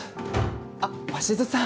あっ鷲津さん